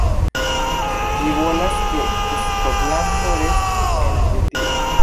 Ĝi volas ke Skotlando restu en Britio.